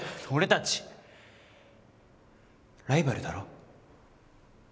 俺たちライバルだろ。